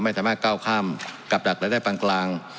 ไม่ทำมากเก้าข้ามกับจัดและได้ปังกลาง